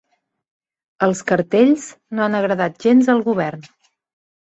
Els cartells no han agradat gens al govern.